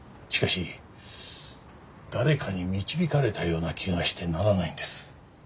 しかし誰かに導かれたような気がしてならないんです。